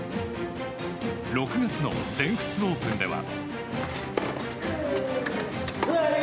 ６月の全仏オープンでは。